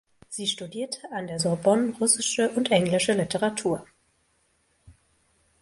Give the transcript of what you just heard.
Sie studierte an der Sorbonne russische und englische Literatur.